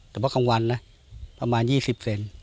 แต่ว่าข้างวันนะประมาณยี่สิบเซน